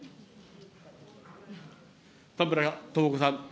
田村智子さん。